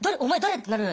ってなる。